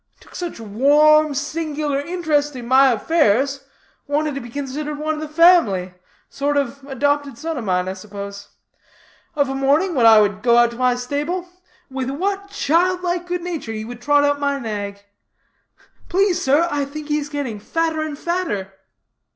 Took such warm, singular interest in my affairs. Wanted to be considered one of the family sort of adopted son of mine, I suppose. Of a morning, when I would go out to my stable, with what childlike good nature he would trot out my nag, 'Please sir, I think he's getting fatter and fatter.'